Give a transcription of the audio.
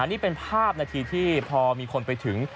นี่เป็นภาพนาทีที่พอมีคนไปถึง